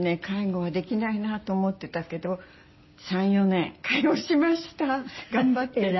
介護はできないなと思ってたけど３４年介護しました頑張って。